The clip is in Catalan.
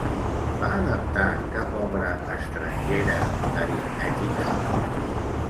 Va adaptar cap obra estrangera d'aritmètica?